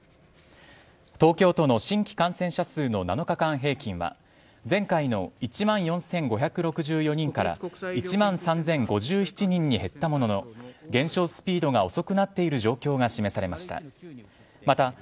東京都の新規感染者数の７日間平均は前回の１万４５６４人から１万３０５７人に減ったものの減少スピードが遅くなっている状況が示されました。